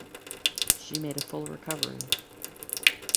She made a full recovery.